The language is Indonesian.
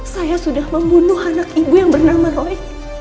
saya sudah membunuh anak ibu yang bernama roy